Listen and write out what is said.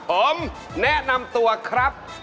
ผมแนะนำตัวครับ